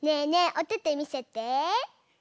おててみせて！